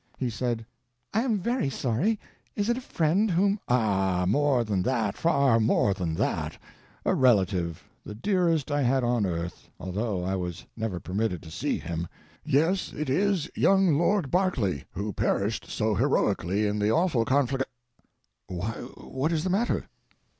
He said: "I am very sorry—is it a friend whom—" "Ah, more than that, far more than that—a relative, the dearest I had on earth, although I was never permitted to see him. Yes, it is young Lord Berkeley, who perished so heroically in the awful conflagration. Why what is the matter?"